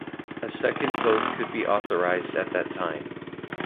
A second vote could be authorized at that time.